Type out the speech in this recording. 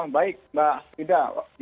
baik mbak tidak